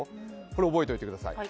これ覚えといてください。